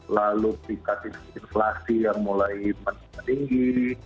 lalu tingkat inflasi yang mulai meninggi